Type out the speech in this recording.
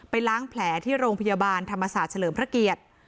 ล้างแผลที่โรงพยาบาลธรรมศาสตร์เฉลิมพระเกียรติ